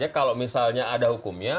kalau misalnya ada hukumnya